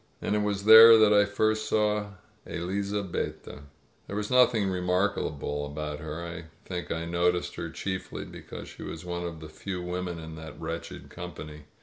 And it was there that I first saw Elizabetta. 103 INSURGENT MEXICO There was nothing remarkable about her. I think I noticed her chiefly because she was one of the few women in that wretched company.